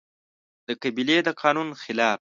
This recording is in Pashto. د قبيلې د قانون خلاف